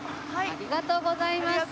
ありがとうございます。